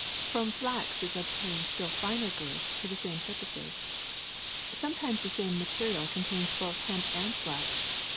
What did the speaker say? From flax is obtained still finer goods for the same pur poses. Sometimes the same material contains both hemp and flax.